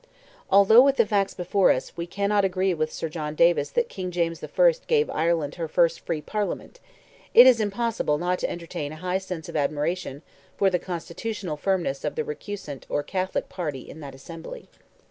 Although, with the facts before us, we cannot agree with Sir John Davis that King James I. gave Ireland her "first free Parliament," it is impossible not to entertain a high sense of admiration for the constitutional firmness of the recusant or Catholic party in that assembly.